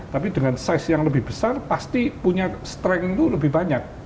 tapi dengan size yang lebih besar pasti punya strength itu lebih banyak